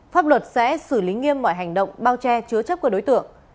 pháp luật sẽ xử lý nghiêm mọi hành động bao che chứa chấp của đối tượng